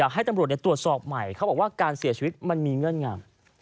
ให้ตำรวจตรวจสอบใหม่เขาบอกว่าการเสียชีวิตมันมีเงื่อนงาม